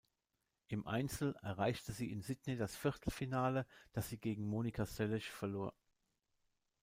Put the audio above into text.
Im Einzel erreichte sie in Sydney das Viertelfinale, das sie gegen Monica Seles verlor.